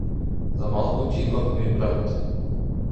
За малку ќе имавме и брат.